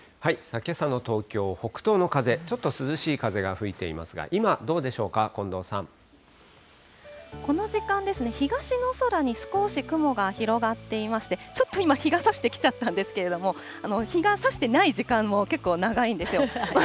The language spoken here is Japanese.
けさの東京、北東の風、ちょっと涼しい風が吹いていますが、今、どうでしょうか、この時間ですね、東の空に少し雲が広がっていまして、ちょっと今、日がさしてきちゃったんですけれども、日がさしてない時間も結構長いんですよ。